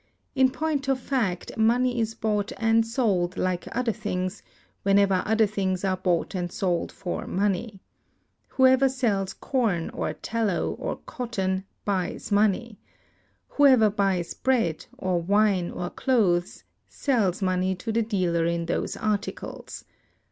In point of fact, money is bought and sold like other things, whenever other things are bought and sold for money. Whoever sells corn, or tallow, or cotton, buys money. Whoever buys bread, or wine, or clothes, sells money to the dealer in those articles.